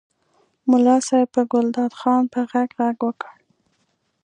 ملا صاحب په ګلداد خان په غږ غږ وکړ.